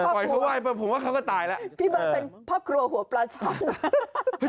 พี่เบิร์ดเป็นพ่อครัวหัวปลาช่อน